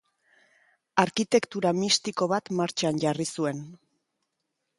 Arkitektura mistiko bat martxan jarri zuen.